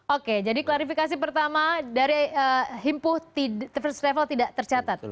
oke jadi klarifikasi pertama dari himpuh first travel tidak tercatat